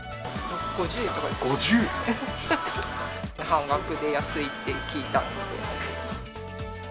半額で安いって聞いたので。